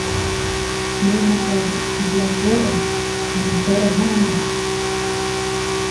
Sne naobe it laʼa kuoʼo no toʼo nanta.